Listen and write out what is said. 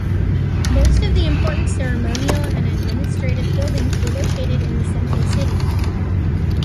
Most of the important ceremonial and administrative buildings were located in the central city.